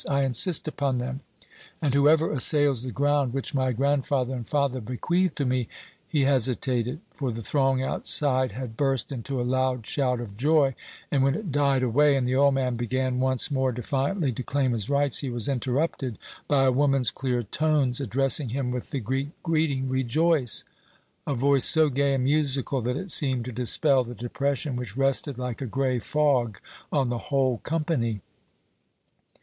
I insist upon them, and whoever assails the ground which my grandfather and father bequeathed to me " He hesitated, for the throng outside had burst into a loud shout of joy; and when it died away, and the old man began once more defiantly to claim his rights, he was interrupted by a woman's clear tones, addressing him with the Greek greeting, "Rejoice!" a voice so gay and musical that it seemed to dispel the depression which rested like a grey fog on the whole company.